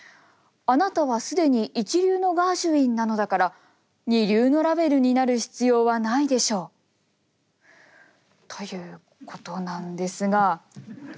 「あなたは既に一流のガーシュウィンなのだから二流のラヴェルになる必要はないでしょう」。ということなんですが。